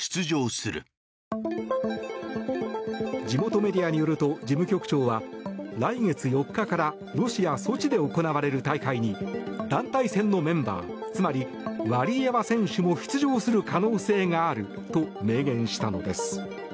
地元メディアによると事務局長は来月４日からロシア・ソチで行われる大会に団体戦のメンバーつまりワリエワ選手も出場する可能性があると明言したのです。